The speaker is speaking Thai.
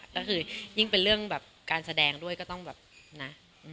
ก็คือยิ่งเป็นเรื่องแบบการแสดงด้วยก็ต้องแบบนะ